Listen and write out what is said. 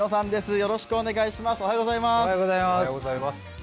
よろしくお願いします。